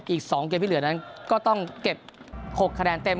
อีก๒เกมที่เหลือนั้นก็ต้องเก็บ๖คะแนนเต็ม